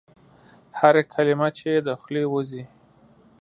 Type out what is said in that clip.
هره کلمه چي یې د خولې وزي ؟